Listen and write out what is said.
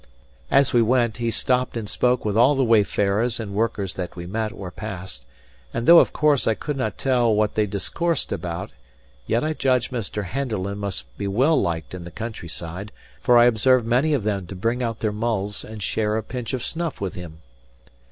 As we went, he stopped and spoke with all the wayfarers and workers that we met or passed; and though of course I could not tell what they discoursed about, yet I judged Mr. Henderland must be well liked in the countryside, for I observed many of them to bring out their mulls and share a pinch of snuff with him.